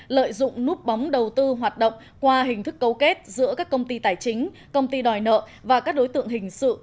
lợi dụng núp bóng đầu tư hoạt động qua hình thức cấu kết giữa các công ty tài chính công ty đòi nợ và các đối tượng hình sự